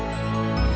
untuk jadi lebih baik